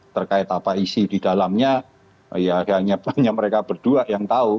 terkait apa isi di dalamnya ya hanya banyak mereka berdua yang tahu